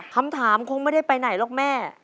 คำถามคงไม่ได้ไปไหนหรอกแม่